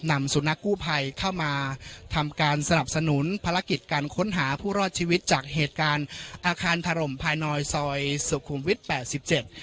นำสุนัขกู้ภัยเข้ามาทำการสนับสนุนภารกิจการค้นหาผู้รอดชีวิตจากเหตุการณ์อาคารถล่มภายนอยซอยสุขุมวิทย์แปดสิบเจ็ด